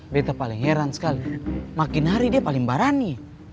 betta paling heran sekali makin hari dia paling barani